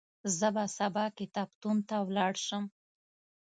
زه به سبا کتابتون ته ولاړ شم.